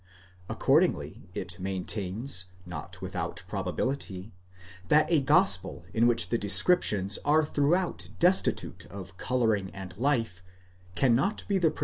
Accordingly it maintains, not without probability, that a gospel in which the descriptions are throughout destitute of colouring and life, cannot be the pro 4 Comp.